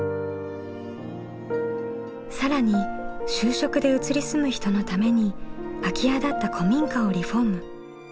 更に就職で移り住む人のために空き家だった古民家をリフォーム。